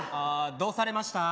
どうされました？